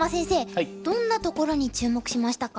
どんなところに注目しましたか？